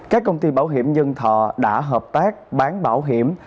các công ty bảo hiểm nhân thọ đã hợp tác bán bảo hiểm